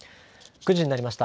９時になりました。